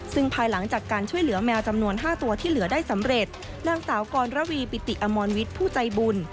ซึ่งภายหลังจากการช่วยเหลือแมวจำนวนห้าตัวที่เหลือได้สำเร็จนางสาวกรระวีปิติอมรวิทย์ผู้ใจบุญ